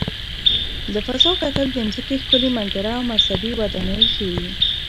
له فضا کتل د ځمکې ښکلي منظره او مذهبي ودانۍ ښيي.